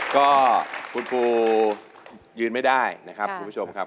ก็คุณปูยืนไม่ได้นะครับคุณผู้ชมครับ